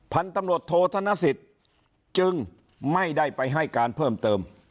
พันธุ์ตำรวจโทษธนสิทธิ์จึงไม่ได้ไปให้การเพิ่มเติม